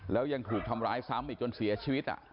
แล้วยังถูกทำร้ายซ้ำอีกจนเสียชีวิต